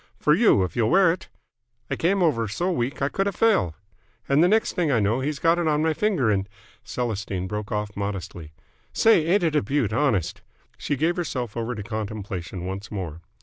'For you, if you'll wear it!' I came over so weak, I could have fell! And the next thing I know he's got it on my finger and " Celestine broke off modestly. "Say, ain't it a beaut, honest!" She gave herself over to contemplation once more.